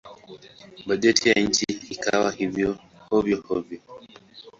Bajeti ya nchi ikawa hovyo-hovyo.